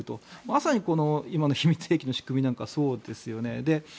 まさに今の秘密兵器の仕組みなんかそうですよね。